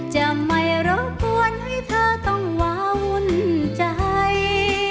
จะไม่รบกวนให้เธอต้องวาวุ่นใจ